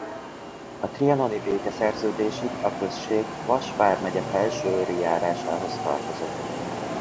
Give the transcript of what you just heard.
A trianoni békeszerződésig a község Vas vármegye Felsőőri járásához tartozott.